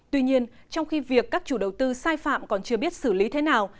tuy nhiên trong khi việc các chủ đầu tư sai phạm còn chưa biết xử lý thế nào